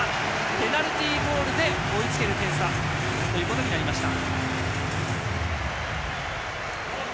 ペナルティーゴールで追いつける点差となりました。